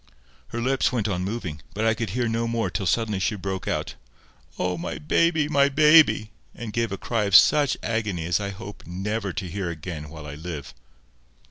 Her lips went on moving, but I could hear no more till suddenly she broke out— "Oh! my baby! my baby!" and gave a cry of such agony as I hope never to hear again while I live.